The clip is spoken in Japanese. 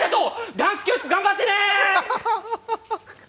ダンス教室、頑張ってねーっ！